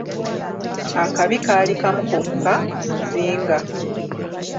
Akabi kaali kamu kokka, muzinga.